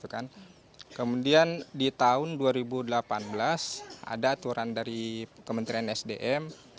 kemudian di tahun dua ribu delapan belas ada aturan dari kementerian sdm